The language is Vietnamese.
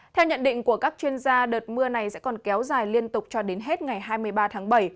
theo nhận định của các chuyên gia đợt mưa này sẽ còn kéo dài liên tục cho đến hết ngày hai mươi ba tháng bảy